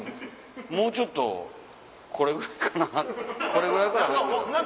もうちょっとこれぐらいかな